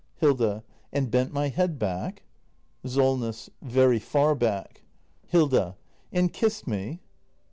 Hilda. And bent my head back ? Solness. Very far back. And kissed me